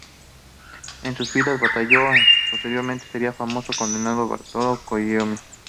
En sus filas batalló el que posteriormente sería famoso condotiero Bartolomeo Colleoni.